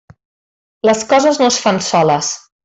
Les coses no es fan soles.